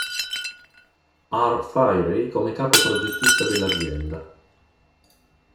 R. Fairey come capo progettista dell’azienda.